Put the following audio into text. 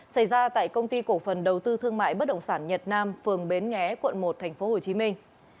xảy ra tại công ty cổ phần đầu tư thương mại bất động sản nhật nam phường bến nghé quận một thành phố hồ chí minh